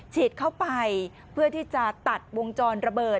ฉีดเข้าไปเพื่อที่จะตัดวงจรระเบิด